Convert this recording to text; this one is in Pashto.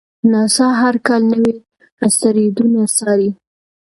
ناسا هر کال نوي اسټروېډونه څاري.